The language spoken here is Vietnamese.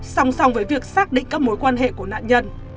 sòng sòng với việc xác định các mối quan hệ của nạn nhân